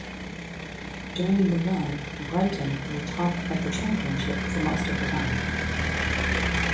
During the run, Brighton were top of the Championship for most of the time.